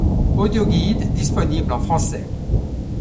Audioguide disponible en français.